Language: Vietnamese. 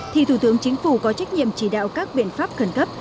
thì thủ tướng chính phủ có trách nhiệm chỉ đạo các biện pháp khẩn cấp